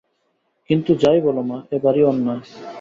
কিন্তু, যাই বল মা, এ ভারি অন্যায়।